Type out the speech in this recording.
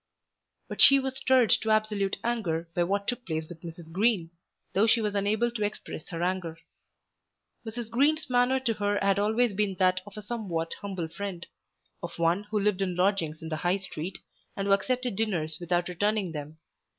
But she was stirred to absolute anger by what took place with Mrs. Green, though she was unable to express her anger. Mrs. Green's manner to her had always been that of a somewhat humble friend, of one who lived in lodgings in the High Street, and who accepted dinners without returning them.